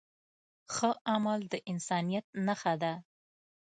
ښه عمل د انسانیت نښه ده.